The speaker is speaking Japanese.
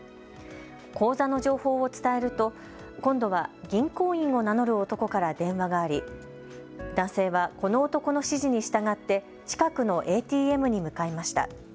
口座の情報を伝えると今度は銀行員を名乗る男から電話があり男性はこの男の指示に従って近くのＡＴＭに向かいました。